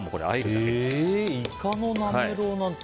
イカのなめろうなんて。